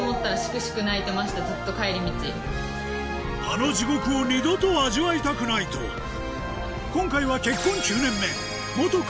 あの地獄を二度と味わいたくないと今回はともうホントに。